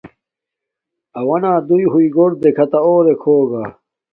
اوݳ نݳ دݸئی ہݸئی گݸر دݵکھتݳ اݸرݵک ہݸگݳ.